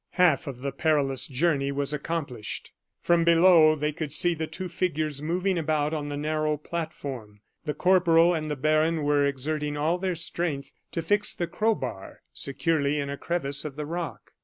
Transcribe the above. Half of the perilous journey was accomplished. From below, they could see the two figures moving about on the narrow platform. The corporal and the baron were exerting all their strength to fix the crowbar securely in a crevice of the rock.